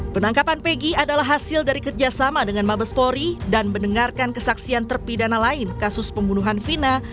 penangkapan pegi adalah hasil dari kerjasama dengan mabespori dan mendengarkan kesaksian terpidana lain kasus pembunuhan vina